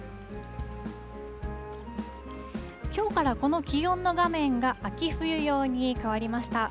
きょうから、この気温の画面が秋冬用に変わりました。